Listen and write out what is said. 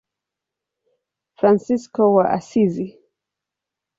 Fransisko wa Asizi.